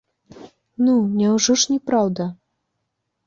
Ну, няўжо ж не праўда!